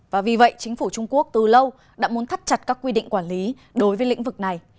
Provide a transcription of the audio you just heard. và vì vậy chính phủ trung quốc từ lâu đã muốn thắt chặt các quy định quản lý đối với lĩnh vực này